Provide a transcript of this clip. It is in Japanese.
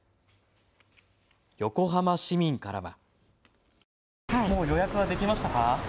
横浜市民からは。